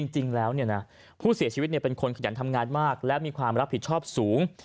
จริงแล้วผู้เสียชีวิตเป็นคนขยันทำงานมากและมีความรับผิดชอบสูง